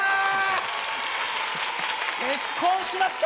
結婚しました！